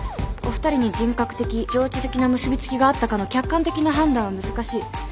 お二人に人格的情緒的な結び付きがあったかの客観的な判断は難しい。